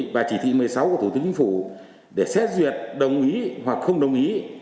và chỉ thị một mươi sáu của thủ tướng chính phủ để xét duyệt đồng ý hoặc không đồng ý